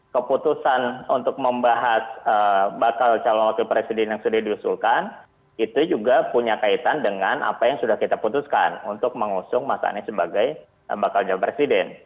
keputusan untuk membahas bakal calon wakil presiden yang sudah diusulkan itu juga punya kaitan dengan apa yang sudah kita putuskan untuk mengusung mas anies sebagai bakal calon presiden